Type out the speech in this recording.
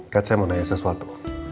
kat saya mau tanya sesuatu